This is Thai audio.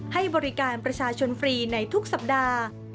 ให้บริการประชาชนฟรีในทุกสัปดาห์